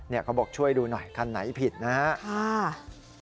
เขาบอกช่วยดูหน่อยคันไหนผิดนะครับ